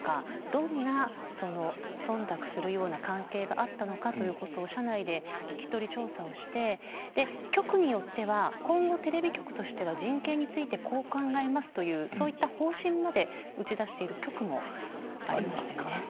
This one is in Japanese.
どんな忖度するような関係があったのかということを社内で聞き取り調査をして局によっては今後テレビ局としては人権についてこう考えますという方針まで打ち出している局もあります。